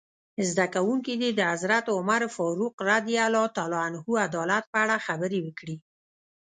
زده کوونکي دې د حضرت عمر فاروق رض عدالت په اړه خبرې وکړي.